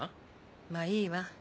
まぁいいわ。